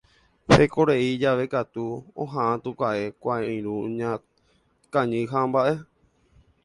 Hekorei jave katu oha'ã tuka'ẽ, kuãirũ kañy hamba'e.